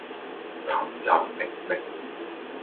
尋尋覓覓，